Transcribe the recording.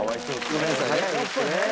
ごめんなさいね。